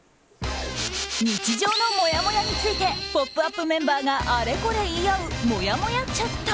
日常のもやもやについて「ポップＵＰ！」メンバーがあれこれ言い合うもやもやチャット。